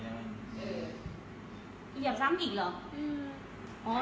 เกียบซ้ำอีกเหรออืม